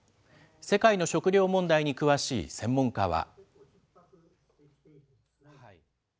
世界の食料問題に詳しい専門家は。